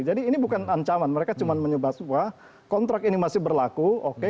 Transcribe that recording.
jadi ini bukan ancaman mereka cuma menyebut bahwa kontrak ini masih berlaku oke